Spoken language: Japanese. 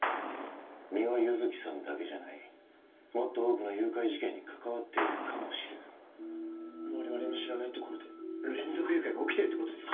三輪優月さんだけじゃないもっと多くの誘拐事件に関わっているかもしれない我々の知らないところで連続誘拐が起きてるってことですか？